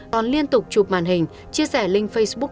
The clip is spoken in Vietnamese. còn liên tục chụp màn hình chia sẻ linh facebook